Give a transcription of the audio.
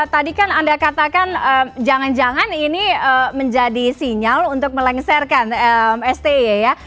tadi kan anda katakan jangan jangan ini menjadi sinyal untuk melengsarkan sti ya